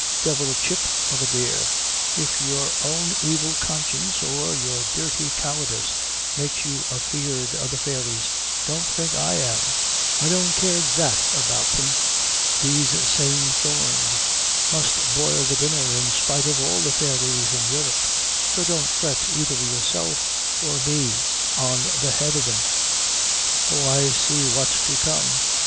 "Divil a chip, mother dear; if your own evil conscience or your dirty cowardice makes you afeard o' the fairies, don't think I am. I don't care that about them. These same thorns must boil the dinner in spite of all the fairies in Europe; so don't fret either yourself or me on the head o' them." "Oh, I see what's to come!